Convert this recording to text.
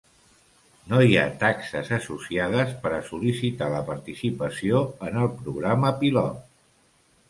No hi ha taxes associades per a sol·licitar la participació en el programa pilot.